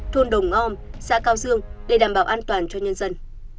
thôn đồng ngom xã cao dương để đảm bảo an toàn cho nhân dân